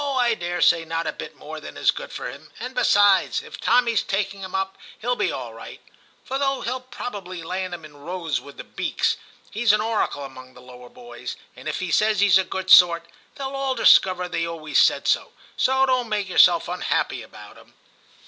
I daresay not a bit more than is good for him; and besides, if Tommy's taken him up he'll be all right; for though he'll probably land him in rows with the beaks, he's an oracle among the lower boys, and if he says he's a good sort, they'll all discover they always said so. So don't make yourself unhappy about him.'